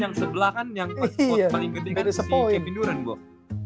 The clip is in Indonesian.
yang sebelah kan yang vote paling gede kan si kevin durant